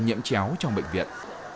nhiễm chéo trong bệnh viện